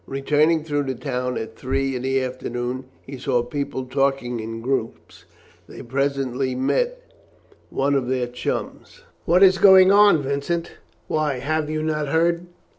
Returning through the town at three in the afternoon, he saw people talking in groups. They presently met one of their chums. "What is going on, Vincent?" "Why, have you not heard?